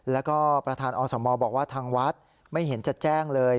แล้วก็ประธานอสมบอกว่าทางวัดไม่เห็นจะแจ้งเลย